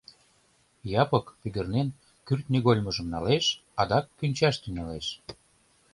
Япык, пӱгырнен, кӱртньыгольмыжым налеш, адак кӱнчаш тӱҥалеш.